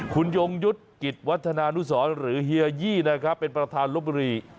คุณยงยุทธ์กิจวัฒนานุสรหรือเฮียยี่นะครับเป็นประธานลบบุรี